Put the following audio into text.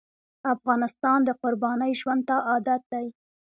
افغان د قربانۍ ژوند ته عادت دی.